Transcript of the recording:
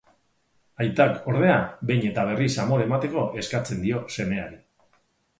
Aitak, ordea, behin eta berriz amore emateko eskatzen dio semeari.